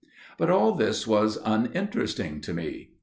But all this was uninteresting to me.